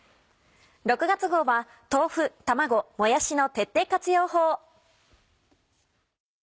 ６月号は豆腐卵もやしの徹底活用法。